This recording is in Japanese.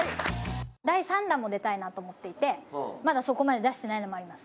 第３弾も出たいなと思っていてまだそこまで出してないのもあります。